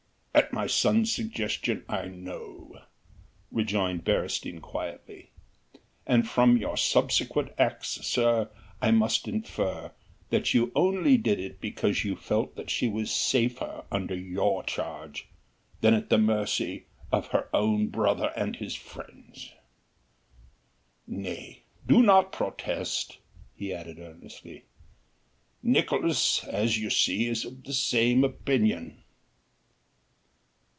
"At my son's suggestion I know," rejoined Beresteyn quietly, "and from your subsequent acts, sir, I must infer that you only did it because you felt that she was safer under your charge than at the mercy of her own brother and his friends.... Nay! do not protest," he added earnestly, "Nicolaes, as you see, is of the same opinion."